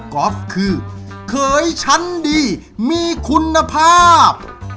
อล์ฟคือเขยชั้นดีมีคุณภาพ